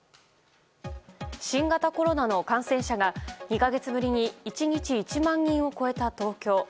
新型コロナの感染者が２か月ぶりに１日１万人を超えた東京。